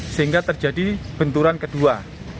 sehingga terjadi benturan kedua